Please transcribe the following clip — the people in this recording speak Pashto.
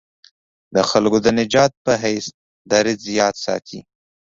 د خلکو د نجات په حیث دریځ یاد ساتي.